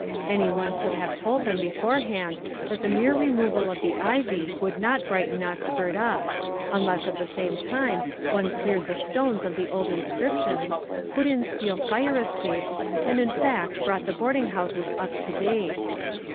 Any one could have told them beforehand that the mere removal of the ivy would not brighten Oxford up, unless at the same time one cleared the stones of the old inscriptions, put in steel fire escapes, and in fact brought the boarding houses up to date.